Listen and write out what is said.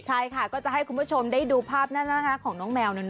ใช่ค่ะก็จะให้คุณผู้ชมได้ดูภาพหน้าของน้องแมวเนี่ย